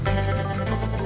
saya tunggu revisi anggarannya